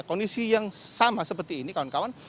kondisi yang sama seperti ini kawan kawan